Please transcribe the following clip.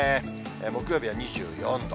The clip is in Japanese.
木曜日は２４度。